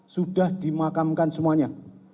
sudah dimakamkan semuanya